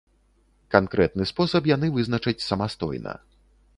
Канкрэтны спосаб яны вызначаць самастойна.